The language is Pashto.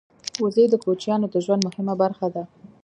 وزې د کوچیانو د ژوند مهمه برخه ده